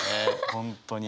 本当に。